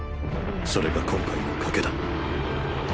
それが今回の賭けだ。